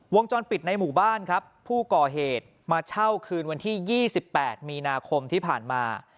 วงจรปิดในหมู่บ้านครับผู้ก่อเหตุมาเช่าคืนวันที่๒๘มีนาคมที่ผ่านมา